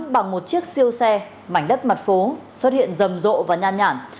bằng một chiếc siêu xe mảnh đất mặt phố xuất hiện rầm rộ và nhan nhản